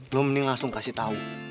lu mending langsung kasih tau